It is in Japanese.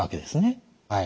はい。